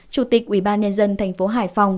chủ tịch ubnd tp hải phòng